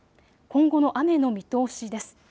今後の雨の見通しです。